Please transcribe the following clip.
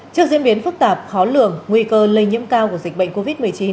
trước diễn biến phức tạp khó lường nguy cơ lây nhiễm cao của dịch bệnh covid một mươi chín